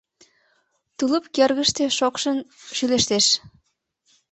Тулуп кӧргыштӧ шокшын шӱлештеш.